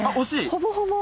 ほぼほぼ。